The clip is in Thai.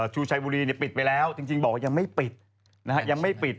ชูชัยบุรีปิดไปแล้วจริงบอกว่ายังไม่ปิดยังไม่ปิด